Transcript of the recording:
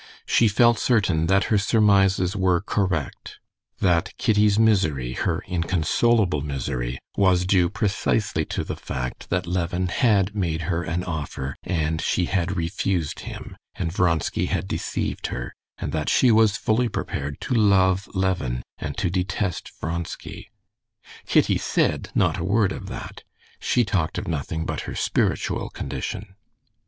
She felt certain that her surmises were correct; that Kitty's misery, her inconsolable misery, was due precisely to the fact that Levin had made her an offer and she had refused him, and Vronsky had deceived her, and that she was fully prepared to love Levin and to detest Vronsky. Kitty said not a word of that; she talked of nothing but her spiritual condition.